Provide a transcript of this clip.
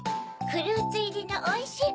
フルーツいりのおいしい